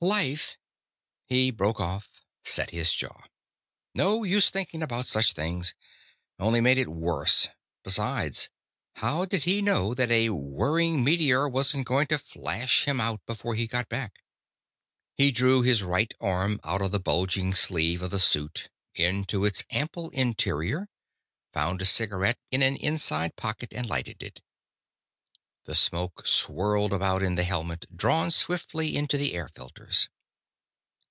Life " He broke off, set his jaw. No use thinking about such things. Only made it worse. Besides, how did he know that a whirring meteor wasn't going to flash him out before he got back? He drew his right arm out of the bulging sleeve of the suit, into its ample interior, found a cigarette in an inside pocket, and lighted it. The smoke swirled about in the helmet, drawn swiftly into the air filters.